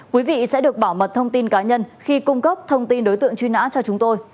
quý vị sẽ được bảo mật thông tin cá nhân khi cung cấp thông tin đối tượng truy nã cho chúng tôi